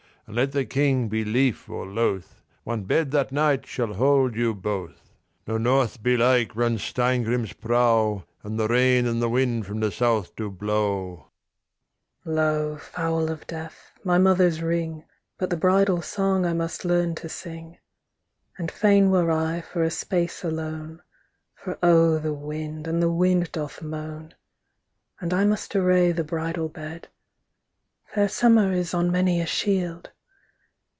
And let the King be lief or loth One bed that night shall hold you both." Now north belike runs Steingrim's prow, And the rain and the wind from the south do blow. THE KING'S DAUGHTER Lo, fowl of death, my mother's ring, But the bridal song I must learn to sing. And fain were I for a space alone, For O the wind, and the wind doth moan. And I must array the bridal bed, _Fair summer is on many a shield.